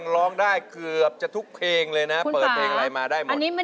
เป็นไงคุณทำไมร้องเสร็จแล้วถึงได้เดินไป